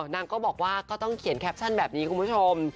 นางก็บอกว่าก็ต้องเขียนแคปชั่นแบบนี้คุณผู้ชม